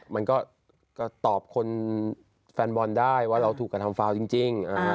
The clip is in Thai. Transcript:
มันก็ตอบคนแฟนบอลได้ว่าเราถูกกระทำฟาวจริง